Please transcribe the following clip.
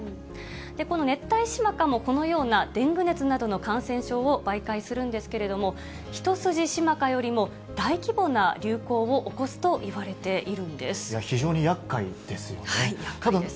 このネッタイシマカもこのようなデング熱などの感染症を媒介するんですけれども、ヒトスジシマカよりも大規模な流行を起こすといわれているんです。